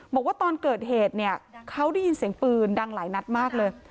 บอกว่าตอนเกิดเหตุเนี่ยเขาได้ยินเสียงปืนดังหลายนัดมากเลย